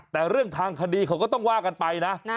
แต่เรื่องทางคดีเขาก็ต้องว่ากันไปนะ